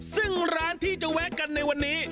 ซึ่งร้านที่จะแวะกันในวันนี้